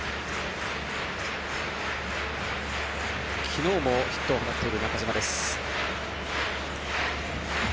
昨日もヒットを放っている中島。